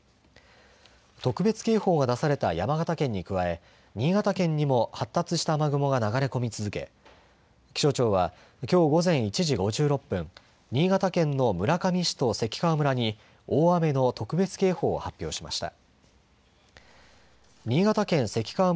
特別警報が出された山形県に加え新潟県にも発達した雨雲が流れ込み続け気象庁は、きょう午前１時５６分新潟県の村上市と関川村に大雨の特別警報を発表しました。